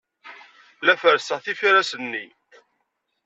La ferrseɣ tifiras-nni.